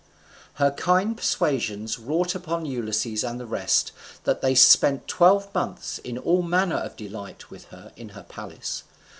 Her kind persuasions wrought upon Ulysses and the rest, and they spent twelve months in all manner of delight with her in her palace.